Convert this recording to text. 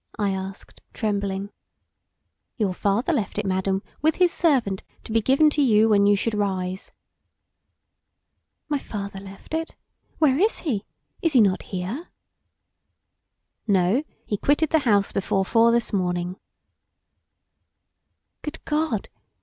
]" I asked trembling. "Your father left it, madam, with his servant, to be given to you when you should rise." "My father left it! Where is he? Is he not here?" "No; he quitted the house before four this morning." "Good God!